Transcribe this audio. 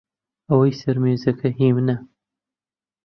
ئەوەی سەر مێزەکە هی منە.